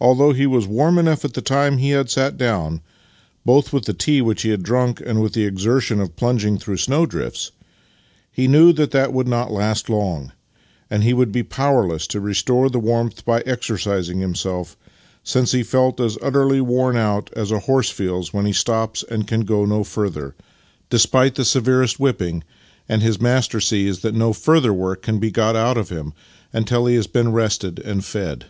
Although he was warm enough at the time he had sat down, both with the tea which he had drunk and with the exertion of plunging through snowdrifts, he knew that that would not last long, and that he would be powerless to restore the warmth by exercising himself, since he felt as utterly worn out as a horse feels when he stops and can go no further, despite the severest whipping, £ 50 Master and Man and his master sees that no further work can be got out of him until he has been rested and fed.